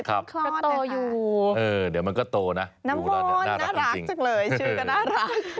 ครับเออเดี๋ยวมันก็โตนะดูแล้วน่ารักจังจริงน้ำม่อนชื่อก็น่ารัก